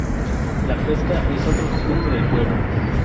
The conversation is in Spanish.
La pesca es otro sustento del pueblo.